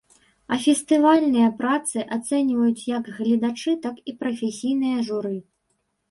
А фестывальныя працы ацэньваюць як гледачы, так і прафесійнае журы.